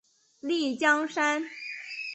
丽江杉